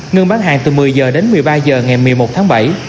ngưng bán hàng từ một mươi giờ đến một mươi ba giờ ngày một mươi một tháng bảy